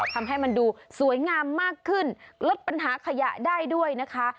ทำให้มันดูสวยงามมากขึ้นลดปัญหาขยะได้ด้วยนะคะ